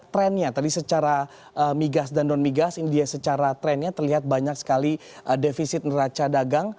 trendnya tadi secara migas dan non migas ini dia secara trendnya terlihat banyak sekali defisit neraca dagang